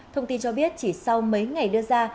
thông tin cho biết chỉ sau mấy ngày đưa ra